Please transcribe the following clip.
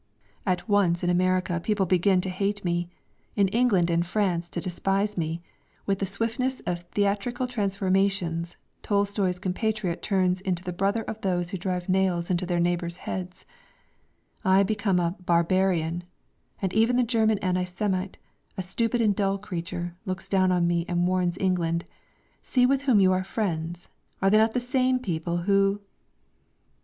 At once in America people begin to hate me, in England and France to despise me; with the swiftness of theatrical transformations Tolstoy's compatriot turns into the brother of those who drive nails into their neighbours' heads, I become a barbarian. And even the German anti Semite, a stupid and dull creature, looks down at me and warns England: "See with whom you are friends? Are they not the same people who...?"